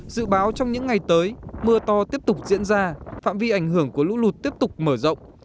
dự báo trong những ngày tới mưa to tiếp tục diễn ra phạm vi ảnh hưởng của lũ lụt tiếp tục mở rộng